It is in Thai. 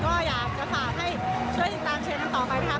ก็อยากจะฝากให้ช่วยติดตามเชฟกันต่อไปนะครับ